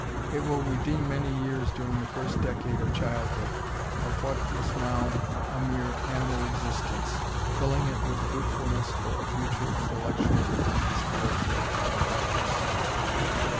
It will redeem many years during the first decade of childhood, of what is now a mere animal existence, filling it with fruitfulness for a future intellectual and spiritual harvest.